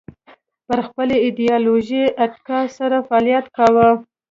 پر خپلې ایدیالوژۍ اتکا سره فعالیت کاوه